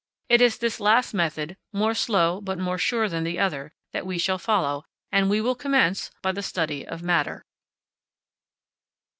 It is this last method, more slow but more sure than the other, that we shall follow; and we will commence by the study of matter.